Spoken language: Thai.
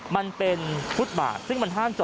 มันเป็นฟุตบาทซึ่งมันห้ามจอ